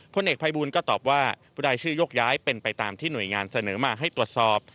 เอกภัยบูลก็ตอบว่ารายชื่อโยกย้ายเป็นไปตามที่หน่วยงานเสนอมาให้ตรวจสอบ